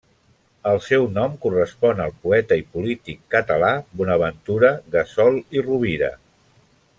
El seu nom correspon al poeta i polític català Bonaventura Gassol i Rovira.